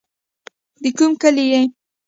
د کوم کلي يې.